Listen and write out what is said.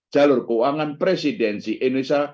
jalur keuangan presidensi indonesia